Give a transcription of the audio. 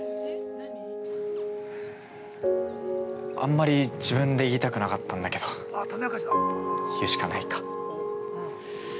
あんまり自分で言いたくなかったんだけど、言うしかないか。